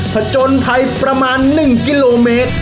ผจญไทยประมาณ๑กิโลเมตร